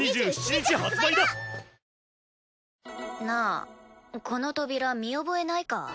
なあこの扉見覚えないか？